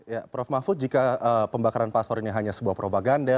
ya prof mahfud jika pembakaran paspor ini hanya sebuah propaganda